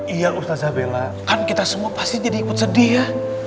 iya ustazabela kan kita semua pasti jadi ikut sedih ya